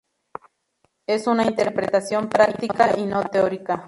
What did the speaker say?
Es una interpretación práctica y no teórica.